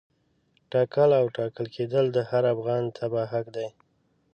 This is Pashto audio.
ټاکل او ټاکل کېدل د هر افغان تبعه حق دی.